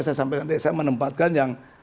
saya sampai nanti saya menempatkan yang